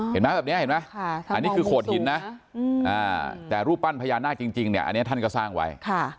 เห็นไหมแบบนี้เห็นไหมอันนี้คือโขดหินนะแต่รูปปั้นพญานาคจริงเนี่ยอันนี้ท่านก็สร้างไว้